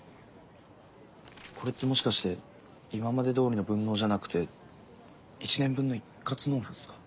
これってもしかして今まで通りの分納じゃなくて１年分の一括納付ですか？